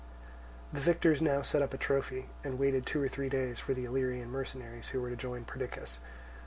The victors now set up a trophy and waited two or three days for the Illyrian mercenaries who were to join Perdiccas.